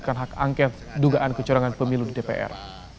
bukan hak angket dugaan kecurangan pemilu di dpr